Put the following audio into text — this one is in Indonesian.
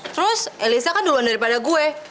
terus elisa kan duluan daripada gue